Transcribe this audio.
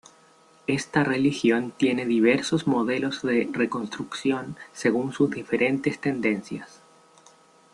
Esta religión tiene diversos modelos de reconstrucción según sus diferentes tendencias.